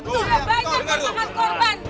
udah banyak yang makan korban